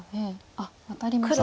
あっワタりました。